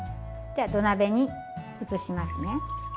では土鍋に移しますね。